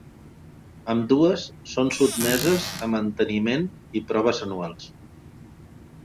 Ambdues són sotmeses a manteniment i proves anuals.